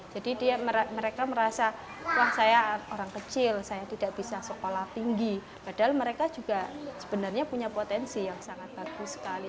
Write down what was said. jadi mereka merasa wah saya orang kecil saya tidak bisa sekolah tinggi padahal mereka juga sebenarnya punya potensi yang sangat bagus sekali